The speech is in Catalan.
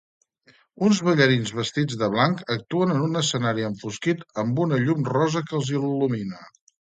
Uns ballarins vestits de blanc actuen en un escenari enfosquit amb una llum rosa que els il·lumina.